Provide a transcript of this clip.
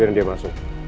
ya dia masuk